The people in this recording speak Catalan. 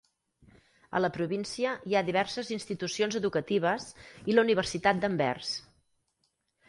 A la província hi ha diverses institucions educatives i la Universitat d'Anvers.